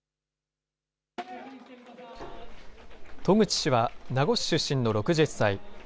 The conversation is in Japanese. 渡具知氏は、名護市出身の６０歳。